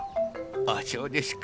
あそうですか。